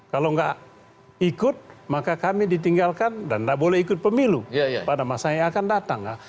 kalau nggak ikut maka kami ditinggalkan dan tidak boleh ikut pemilu pada masa yang akan datang